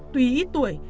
tuy ít tuổi